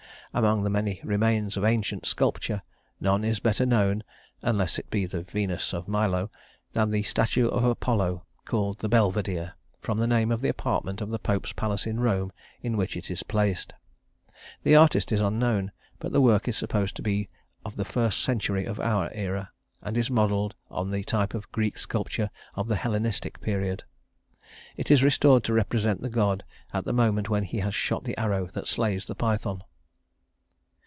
Among the many remains of ancient sculpture, none is better known unless it be the Venus of Milo than the statue of Apollo called the Belvedere, from the name of the apartment of the pope's palace at Rome in which it is placed. The artist is unknown, but the work is supposed to be of the first century of our era, and is modeled on the type of Greek sculpture of the Hellenistic period. It is restored to represent the god at the moment when he has shot the arrow that slays the Python.